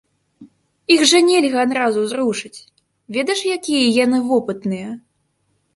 Іх жа нельга адразу зрушыць, ведаеш якія яны вопытныя?